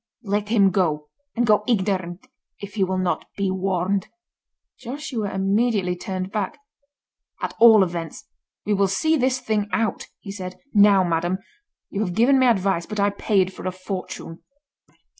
Let him go—and go ignorant, if he will not be warned." Joshua immediately turned back. "At all events, we will see this thing out," he said. "Now, madam, you have given me advice, but I paid for a fortune."